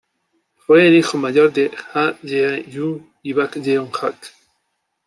Fue el hijo mayor de Ha Jae-jung y Bak Yeon-hak.